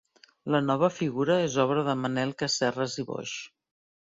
La nova figura és obra de Manel Casserres i Boix.